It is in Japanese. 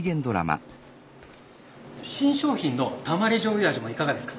新商品のたまり醤油味もいかがですか？